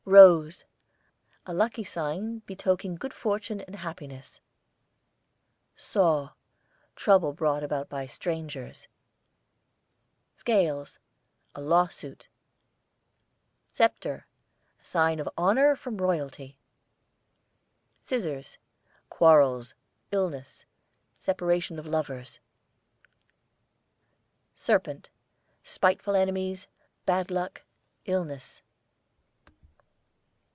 ROSE, a lucky sign betokening good fortune and happiness. SAW, trouble brought about by strangers. SCALES, a lawsuit. SCEPTRE, a sign of honour from royalty. SCISSORS, quarrels; illness; separation of lovers. SERPENT, spiteful enemies; bad luck; illness.